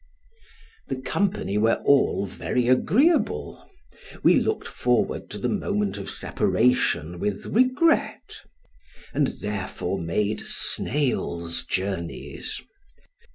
The company were all very agreeable; we looked forward to the moment of separation with regret, and therefore made snails' journeys.